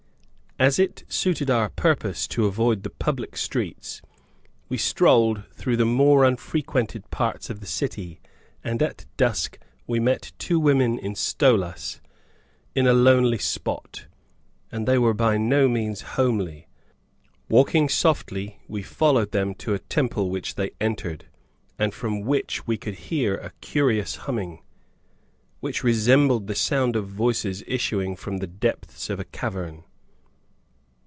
As it suited our purpose to avoid the public streets, we strolled through the more unfrequented parts of the city, and just at dusk we met two women in stolas, in a lonely spot, and they were by no means homely. Walking softly, we followed them to a temple which they entered, and from which we could hear a curious humming, which resembled the sound of voices issuing from the depths of a cavern.